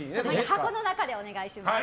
箱の中でお願いします。